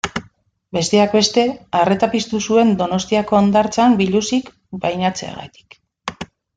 Besteak beste, arreta piztu zuen Donostiako hondartzan biluzik bainatzeagatik.